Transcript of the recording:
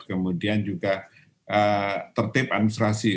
kemudian juga tertib administrasi